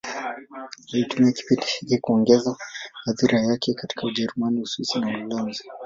Alitumia kipindi hiki kuongeza athira yake katika Ujerumani, Uswisi na Uholanzi.